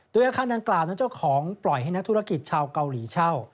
โดยอาคารดังกล่าวนั้นเจ้าของปล่อยให้นักธุรกิจชาวเกาหลีเช่า